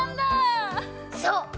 そう！